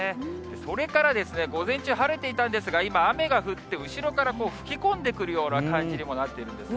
それからですね、午前中、晴れていたんですが、今、雨が降って、後ろから吹き込んでくるような感じにもなっているんですね。